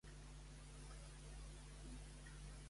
Quant de temps va estar a Fòcida i Beòcia?